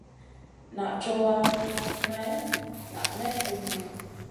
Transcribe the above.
Naʼ cowa, maï naʼ may fum ɗi.